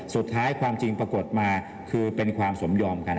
ความจริงปรากฏมาคือเป็นความสมยอมกัน